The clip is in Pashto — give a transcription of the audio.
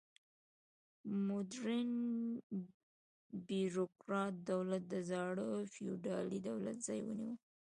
موډرن بیروکراټ دولت د زاړه فیوډالي دولت ځای ونیو.